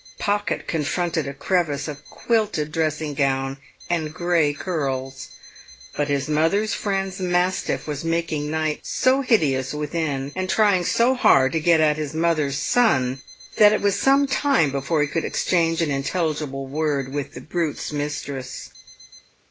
Pocket confronted a crevice of quilted dressing gown and grey curls; but his mother's friend's mastiff was making night so hideous within, and trying so hard to get at his mother's son, that it was some time before he could exchange an intelligible word with the brute's mistress.